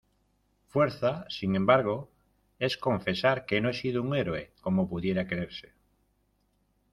fuerza, sin embargo , es confesar que no he sido un héroe , como pudiera creerse.